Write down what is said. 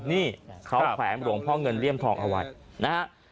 นี่เขาแขวงหลวงพ่อเงินเลี่ยมทองเอาไว้นะฮะ